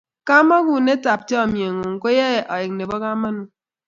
kamagunet ab chamiyet ngun ko ae aek nebo kamangut